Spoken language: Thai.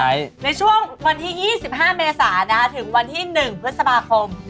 ในช่วงวันที่๒๕เมษาถึงวันที่๑พฤษภาคม